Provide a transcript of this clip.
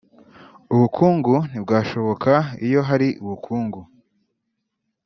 ubukungu ntibwashoboka … iyo hari ubukungu